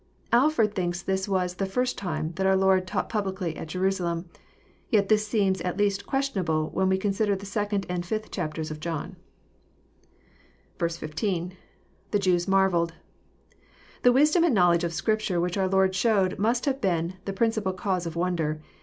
Alford thinks this was *' the first time " that our Lord 'taught publicly at Jerusalem." Yet this seems at least ques tionable when we consider the 2nd and 5th chapters of John. 16. — [The Jews marvelled.] The wisdom and knowledge of Scrip ture which our Lord showed must have been the principal cause of wonder.